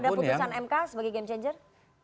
meskipun ada keputusan mk sebagai game changer